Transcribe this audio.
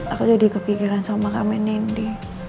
aku jadi kepikiran sama kak menendi